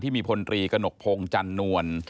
ที่มีพลตรีกระหนกพงจันทร์นวล